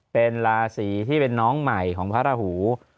เป็นราศีที่เป็นน้องใหม่ของพระราหู